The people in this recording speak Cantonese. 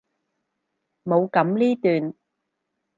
冇噉呢段！